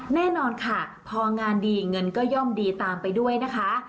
แน่นอนค่ะพองานดีเงินก็ย่อมดีตามไปด้วยนะคะ